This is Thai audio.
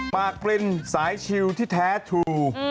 ปากปรินสายชิลที่แท้ทู